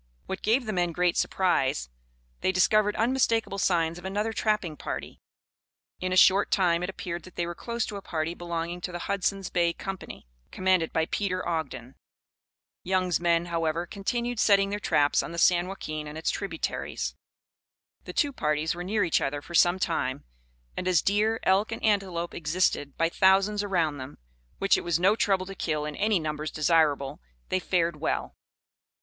What gave the men great surprise, they discovered unmistakable signs of another trapping party. In a short time it appeared that they were close to a party belonging to the Hudson's Bay Company, commanded by Peter Ogden. Young's men, however, continued setting their traps on the San Joaquin and its tributaries. The two parties were near each other for some time, and as deer, elk, and antelope existed by thousands around them, which it was no trouble to kill in any numbers desirable, they fared well.